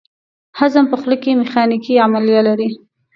هضم په خوله کې میخانیکي عملیه لري.